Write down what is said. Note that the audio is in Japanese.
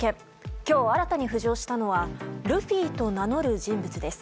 今日、新たに浮上したのはルフィと名乗る人物です。